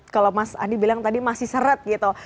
kalau mas adi bilang tadi masih seret gitu